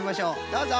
どうぞ！